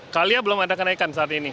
kalia belum ada kenaikan saat ini